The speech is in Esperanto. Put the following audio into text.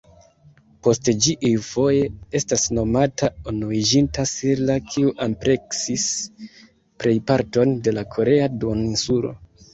Poste, ĝi iufoje estas nomata Unuiĝinta Silla kiu ampleksis plejparton de la korea duoninsulo.